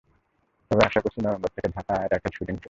তবে আশা করছি, নভেম্বর থেকে ঢাকা অ্যাটাক–এর শুটিং আবার শুরু করব।